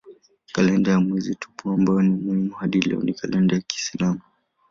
Kalenda ya mwezi tupu ambayo ni muhimu hadi leo ni kalenda ya kiislamu.